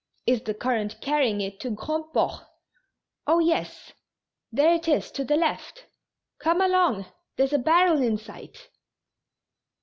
Is the current carrying it to Grand port ?"" Oh, yes ; there it is to the left. Come along, there's a barrel in sight."